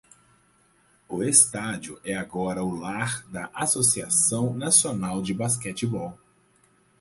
O estádio é agora o lar da Associação Nacional de basquetebol.